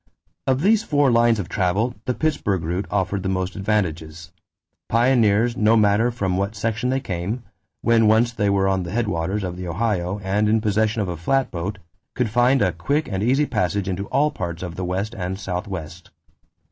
Of these four lines of travel, the Pittsburgh route offered the most advantages. Pioneers, no matter from what section they came, when once they were on the headwaters of the Ohio and in possession of a flatboat, could find a quick and easy passage into all parts of the West and Southwest.